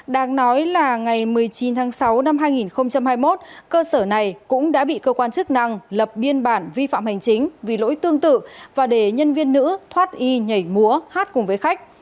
đáng nói là ngày một mươi chín tháng sáu năm hai nghìn hai mươi một cơ sở này cũng đã bị cơ quan chức năng lập biên bản vi phạm hành chính vì lỗi tương tự và để nhân viên nữ thoát y nhảy múa hát cùng với khách